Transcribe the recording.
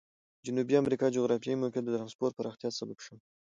جنوبي امریکا جغرافیوي موقعیت د ترانسپورت پراختیا سبب شوی.